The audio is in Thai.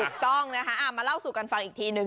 ครูต้องมาเล่าสู่กันฟังอีกทีนึง